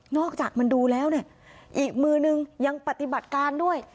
อกจากมันดูแล้วเนี่ยอีกมือนึงยังปฏิบัติการด้วย